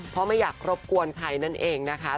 เพราะไม่อยากรบกวนใครนั่นเองนะคะ